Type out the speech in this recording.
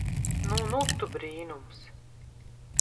Nu nu tu brīnums.